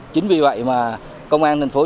chính vì vậy mà công an tp bùi mà thuật